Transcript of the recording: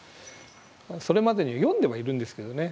それまでに読んではいるんですけどね。